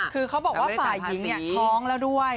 คือเขาบอกว่าฝ่ายหญิงท้องแล้วด้วย